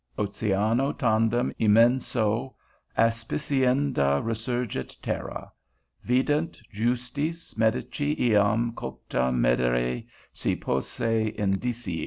OCEANO TANDEM EMENSO, ASPICIENDA RESURGIT TERRA; VIDENT, JUSTIS, MEDICI, JAM COCTA MEDERI SE POSSE, INDICIIS.